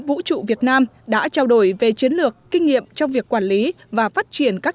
vũ trụ việt nam đã trao đổi về chiến lược kinh nghiệm trong việc quản lý và phát triển các